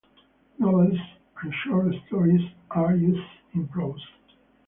Novels and short stories are used in prose.